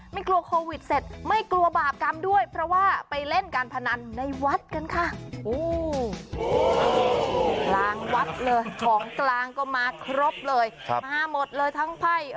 ไม่กลัวโควิดเสร็จไม่กลัวบาปกรรมด้วยเพราะว่าไปเล่นการพนันในวัดกันค่ะ